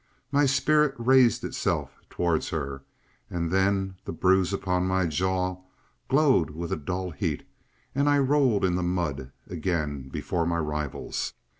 My spirit raised itself towards her, and then the bruise upon my jaw glowed with a dull heat, and I rolled in the mud again before my rivals.